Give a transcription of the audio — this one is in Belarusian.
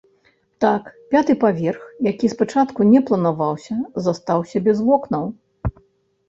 Так, пяты паверх, які спачатку не планаваўся, застаўся без вокнаў.